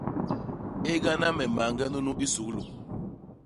Égana me mañge nunu i suglu.